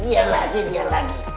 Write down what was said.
dia lagi dia lagi